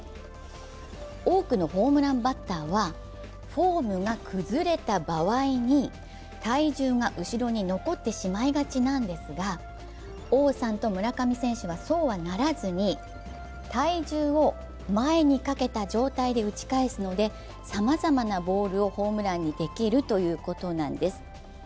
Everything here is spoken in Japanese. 多くのホームランバッターはフォームが崩れた場合に体重が後ろに残ってしまいがちなんですが、王さんと村上選手はそうはならずに体重を前にかけた状態で打ち返すのでさまざまなボールをホームランにできるということなんです。